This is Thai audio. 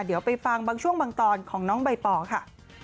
เดี๋ยวไปฟังบางช่วงบางตอนของน้องใบปอค่ะ